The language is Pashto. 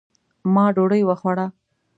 ما ډوډۍ وخوړه